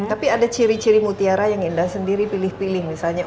tapi ada ciri ciri mutiara yang indah sendiri pilih pilih misalnya